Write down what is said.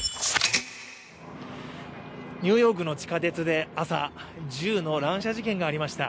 ニューヨークの地下鉄で朝、銃の乱射事件がありました。